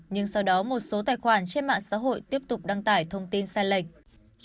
nhưng sau đó một số tài khoản trên mạng xã hội tiếp tục đăng tải thông tin sai lệch